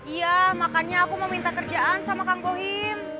iya makanya aku mau minta kerjaan sama kang gohim